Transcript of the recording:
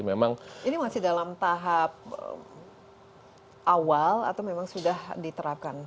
atau memang sudah diterapkan